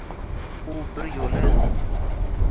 U bir yo’la